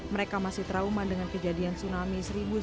mereka masih trauma dengan kejadian tsunami